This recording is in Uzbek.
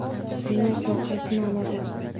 Nima uchun? Qaysi ma'noda?